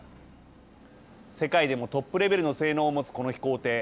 世界でもトップレベルの性能を持つこの飛行艇。